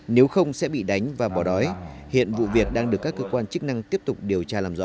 nếu không sẽ bị đánh và bỏ đói hiện vụ việc đang được các cơ quan chức năng tiếp tục điều tra làm rõ